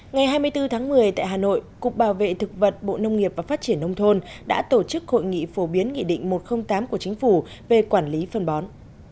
ngày hai mươi bốn tháng một mươi tại hà nội cục bảo vệ thực vật bộ nông nghiệp và phát triển nông thôn đã tổ chức hội nghị phổ biến nghị định một trăm linh tám của chính phủ về quản lý phân bón